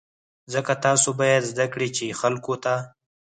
ځکه تاسو باید زده کړئ چې خلکو ته.